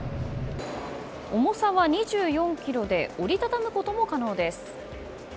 重さは２４ｋｇで折り畳むことも可能です。